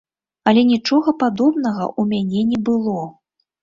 Але нічога падобнага ў мяне не было.